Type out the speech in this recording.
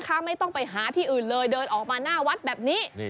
ถ้าไม่ต้องไปหาที่อื่นเลยเดินออกมาหน้าวัดแบบนี้